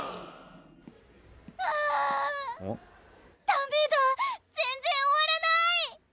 ダメだ全然終わらない！